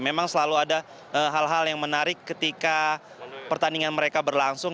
memang selalu ada hal hal yang menarik ketika pertandingan mereka berlangsung